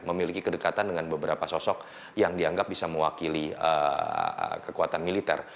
memiliki kedekatan dengan beberapa sosok yang dianggap bisa mewakili kekuatan militer